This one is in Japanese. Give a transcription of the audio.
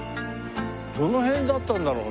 どの辺だったんだろうね？